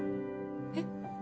えっ？